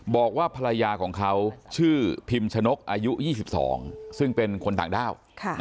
บอกว่าภรรยาของเขาชื่อพิมชนกอายุ๒๒ซึ่งเป็นคนต่างด้าว